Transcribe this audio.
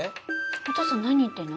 お父さん何言ってんの？